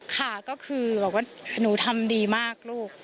ค่ะก็คือบอกว่าหนูทำดีมากลูก